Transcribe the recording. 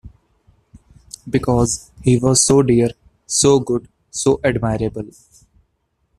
Because he was so dear, so good, so admirable.